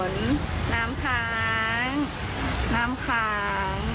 น้ำค้างน้ำค้าง